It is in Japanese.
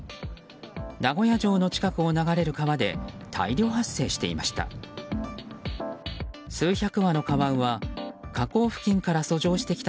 名古屋城の近くを流れる川で大量発生していました。